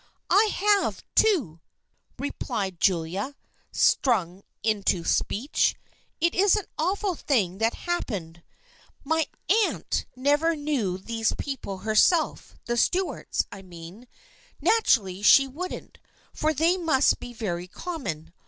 " I have, too !" replied Julia, stung into speech. " It is an awful thing that happened. My aunt 238 THE FKIENDSHIP OF ANNE never knew these people herself, the Stuarts, I mean. Naturally she wouldn't, for they must be very common.